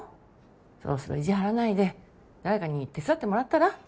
そろそろ意地張らないで誰かに手伝ってもらったら？